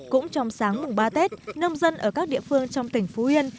cũng trong sáng mùng ba tết nông dân ở các địa phương trong tỉnh phú yên